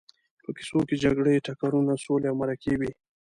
په کیسو کې جګړې، ټکرونه، سولې او مرکې وي.